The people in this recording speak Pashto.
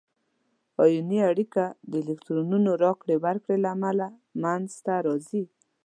آیوني اړیکه د الکترونونو راکړې ورکړې له امله منځ ته راځي.